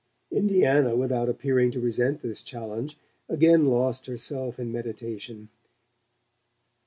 Indiana, without appearing to resent this challenge, again lost herself in meditation.